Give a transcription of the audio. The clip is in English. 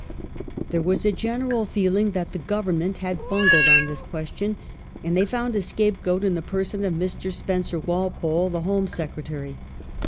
There was a general feeling that the Government had bungled on this question, and they found a scapegoat in the person of Mr. Spencer Walpole, the Home Secretary.